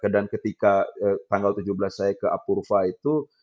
dan ketika tanggal tujuh belas saya ke apurva itu